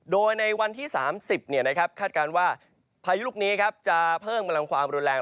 โดยในวันที่๓๐คาดการณ์ว่าพายุลูกนี้จะเพิ่มกำลังความรุนแรง